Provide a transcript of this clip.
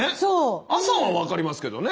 「朝」は分かりますけどね。